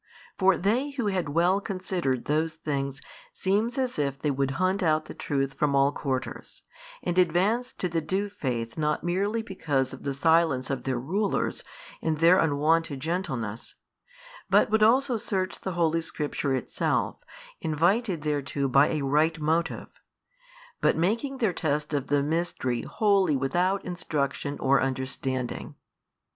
For they who had well considered those things seem as if they would hunt out the truth from all quarters, and advance to the due faith not merely because of the silence of their rulers and their unwonted gentleness, but would also search the Holy Scripture itself, invited thereto by a right motive, but making their test of the Mystery wholly without instruction or |517 understanding.